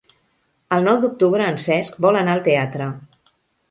El nou d'octubre en Cesc vol anar al teatre.